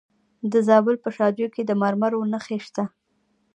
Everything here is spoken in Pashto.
د زابل په شاجوی کې د مرمرو نښې شته.